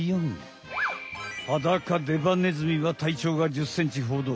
ハダカデバネズミは体長が１０ｃｍほど。